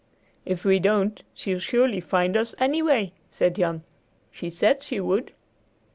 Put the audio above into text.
"If we don't, she'll surely find us, anyway," said Jan. "She said she would!"